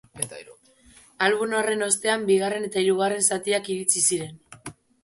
Album horren ostean, bigarren eta hirugarren zatiak iritsi ziren.